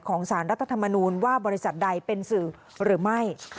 สารรัฐธรรมนูญว่าบริษัทใดเป็นสื่อหรือไม่